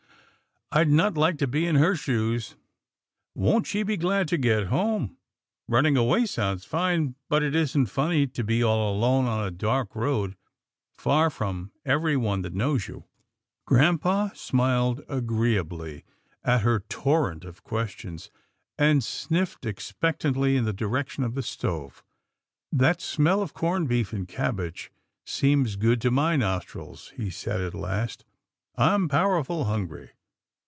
I'd not like to be in her shoes — won't she be glad to get home ?— running away sounds fine, but it isn't funny to be all alone on a dark road, far from every one that knows you." 194 'TILDA JANE'S ORPHANS Grampa smiled agreeably at her torrent of ques tions, and sniffed expectantly in the direction of the stove. " That smell of corned beef and cabbage seems good to my nostrils," he said at last. " I'm powerful hungry."